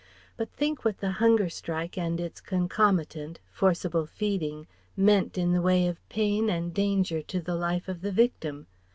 But think what the Hunger Strike and its concomitant, Forcible Feeding, meant in the way of pain and danger to the life of the victim.